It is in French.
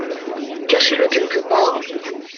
Cachez-le quelque part.